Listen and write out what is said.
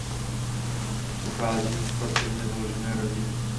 Pochází ze sportovně založené rodiny.